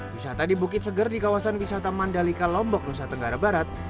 wisata di bukit seger di kawasan wisata mandalika lombok nusa tenggara barat